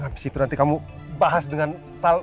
habis itu nanti kamu bahas dengan sal